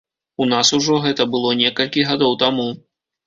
У нас ужо гэта было некалькі гадоў таму.